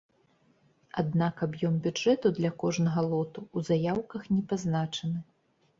Аднак аб'ём бюджэту для кожнага лоту ў заяўках не пазначаны.